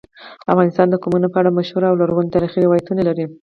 افغانستان د قومونه په اړه مشهور او لرغوني تاریخی روایتونه لري.